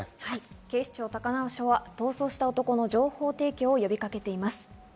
警視庁高輪署は逃走した男の情報提供を呼びかけています。